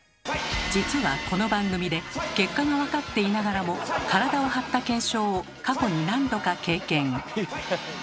実はこの番組で結果が分かっていながらも体を張った検証を過去に何度か経験。